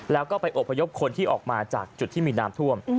แล้วก็ไปอบพยพคนที่ออกมาจากจุดที่มีน้ำท่วม